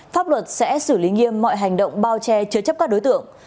pháp luật sẽ xử lý nghiêm mọi hành động bao che chứa chấp các đối tượng